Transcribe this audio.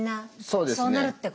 そうですね。